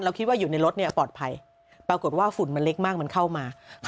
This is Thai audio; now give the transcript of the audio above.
คิดว่าอยู่ในรถเนี่ยปลอดภัยปรากฏว่าฝุ่นมันเล็กมากมันเข้ามา